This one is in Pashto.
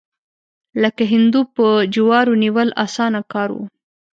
لکه هندو په جوارو نیول، اسانه کار و.